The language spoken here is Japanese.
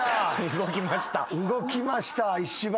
動きました石橋が。